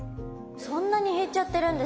そんなに減っちゃってるんですね。